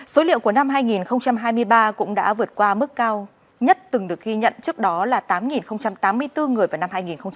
số liệu của năm hai nghìn hai mươi ba cũng đã vượt qua mức cao nhất từng được ghi nhận trước đó là tám tám mươi bốn người vào năm hai nghìn hai mươi